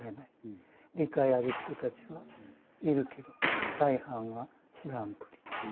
理解ある人達は居るけど大半は知らんぷり。